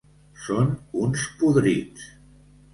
Són uns podrits!